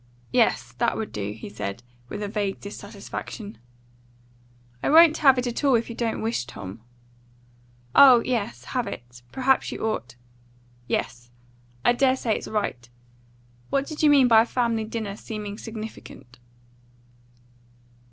"Yes, that would do," he said, with a vague dissatisfaction. "I won't have it at all, if you don't wish, Tom." "Oh yes, have it; perhaps you ought. Yes, I dare say it's right. What did you mean by a family dinner seeming significant?"